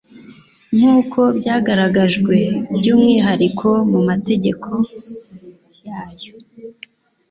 nk'uko byagaragajwe by'umwihariko mu mategeko yayo;